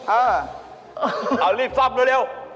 เออเร็วรีบซ่อมเร็วเร็ว